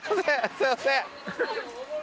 すいません！